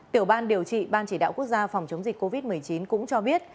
tiểu ban điều trị ban chỉ đạo quốc gia phòng chống dịch covid một mươi chín cũng cho biết